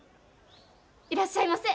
いらっしゃいませ！